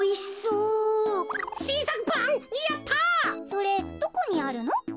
それどこにあるの？